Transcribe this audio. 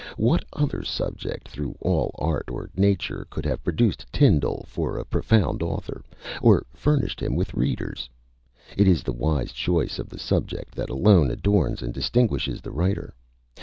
What other subject through all art or nature could have produced Tindal for a profound author, or furnished him with readers? It is the wise choice of the subject that alone adorns and distinguishes the writer.